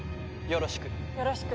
よろしく。